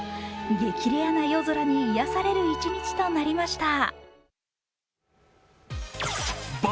激レアな夜空に癒やされる一日となりました。